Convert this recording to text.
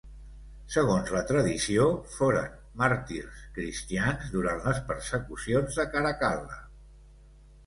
Segons la tradició, foren màrtirs cristians durant les persecucions de Caracal·la.